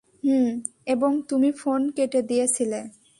হুম, এবং তুমি ফোন কেটে দিয়েছিলে।